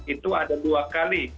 itu ada dua kali